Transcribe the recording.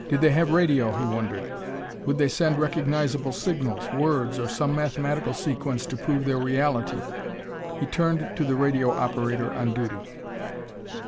Did they have radio? he wondered. Would they send recognizable signals words or some mathematical sequence to prove their reality? He turned to the radio operator on duty.